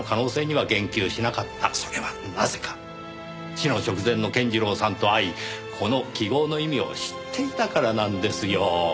死の直前の健次郎さんと会いこの記号の意味を知っていたからなんですよ。